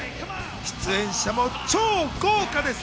出演者も超豪華です。